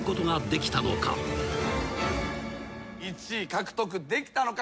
１位獲得できたのか？